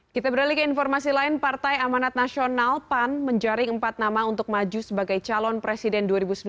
kita beralih ke informasi lain partai amanat nasional pan menjaring empat nama untuk maju sebagai calon presiden dua ribu sembilan belas